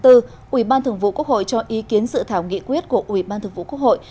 ủy ban thường vụ quốc hội cho ý kiến sự thảo nghị quyết của ủy ban thường vụ quốc hội